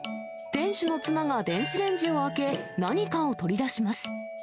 店主の妻が電子レンジを開け、何かを取り出します。